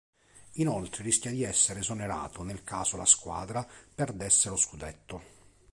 Inoltre rischia di essere esonerato nel caso la squadra perdesse lo scudetto.